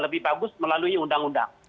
lebih bagus melalui undang undang